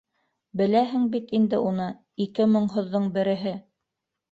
Беләһең бит инде уны, ике моңһоҙҙоң береһе.